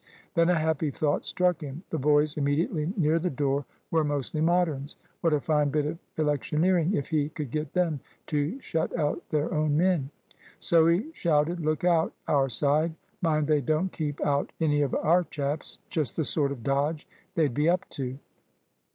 Then a happy thought struck him. The boys immediately near the door were mostly Moderns. What a fine bit of electioneering, if he could get them to shut out their own men! So he shouted, "Look out, our side! Mind they don't keep out any of our chaps. Just the sort of dodge they'd be up to."